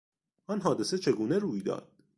آن حادثه چگونه روی داد؟